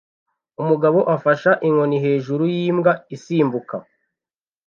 Umugabo afashe inkoni hejuru yimbwa isimbuka